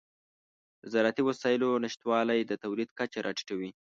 د زراعتي وسایلو نشتوالی د تولید کچه راټیټوي.